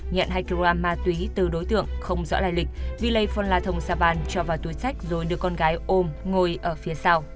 nhận hai kg ma túy từ đối tượng không rõ lại lịch villei phonla thong savan cho vào túi sách rồi đưa con gái ôm ngồi ở phía sau